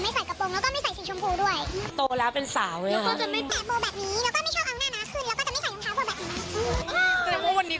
ไม่ใส่กระโปรงแล้วก็ไม่ใส่สีชมพูด้วยโตแล้วเป็นสาวแล้วก็จะไม่